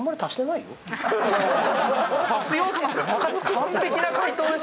完璧な解答でした。